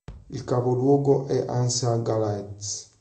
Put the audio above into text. Il capoluogo è Anse-à-Galets.